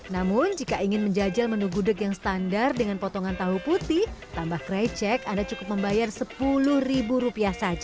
namun jika ingin menjajal menu gudeg yang standar dengan potongan tahu putih tambah krecek anda cukup membayar sepuluh rupiah saja